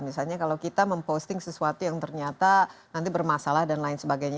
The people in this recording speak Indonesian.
misalnya kalau kita memposting sesuatu yang ternyata nanti bermasalah dan lain sebagainya